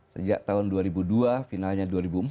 sejak tahun dua ribu dua finalnya dua ribu empat